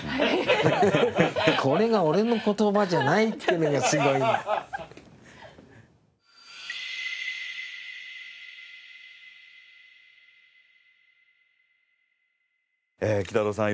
これが俺の言葉じゃないっていうのがすごい。きたろうさん